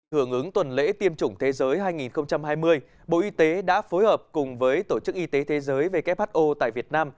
hưởng ứng tuần lễ tiêm chủng thế giới hai nghìn hai mươi bộ y tế đã phối hợp cùng với tổ chức y tế thế giới who tại việt nam